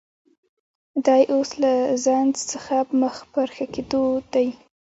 دی اوس له زنځ څخه مخ پر ښه کېدو دی